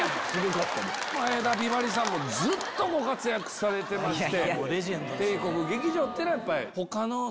前田美波里さんもずっとご活躍されてまして。